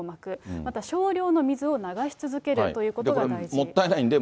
また少量の水を流し続けるということが大事です。